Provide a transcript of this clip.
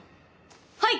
はい！